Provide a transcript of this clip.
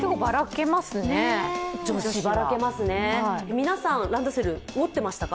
皆さん、ランドセル持ってましたか？